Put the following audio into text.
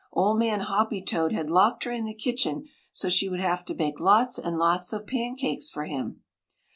Old Man Hoppy toad had locked her in the kitchen so she would have to bake lots and lots of pancakes for him.